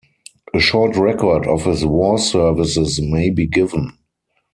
A short record of his war services may be given.